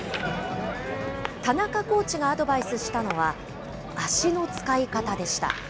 田中コーチがアドバイスしたのは、足の使い方でした。